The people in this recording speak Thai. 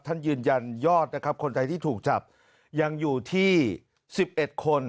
ท่านยืนยันยอดนะครับคนไทยที่ถูกจับยังอยู่ที่๑๑คน